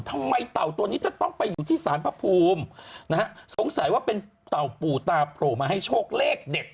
เต่าตัวนี้จะต้องไปอยู่ที่สารพระภูมินะฮะสงสัยว่าเป็นเต่าปู่ตาโผล่มาให้โชคเลขเด็ด